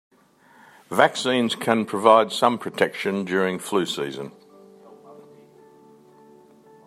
Vaccines can provide some protection during flu season.